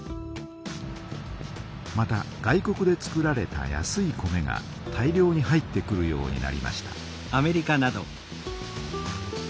また外国で作られた安い米が大量に入ってくるようになりました。